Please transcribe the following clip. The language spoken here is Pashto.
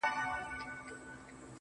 غزل نه نېښ ساز کړي لړم ساز کړي